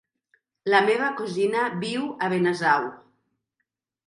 La meva cosina viu a Benasau.